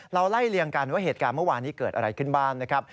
ไล่เลี่ยงกันว่าเหตุการณ์เมื่อวานนี้เกิดอะไรขึ้นบ้างนะครับ